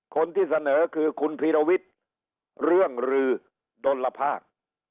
คนที่เสนอคือคุณพีรวิทย์เรื่องรือดลภาค